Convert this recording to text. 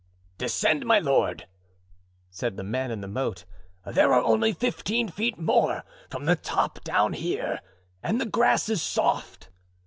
"Descend, my lord," said the man in the moat. "There are only fifteen feet more from the top down here, and the grass is soft."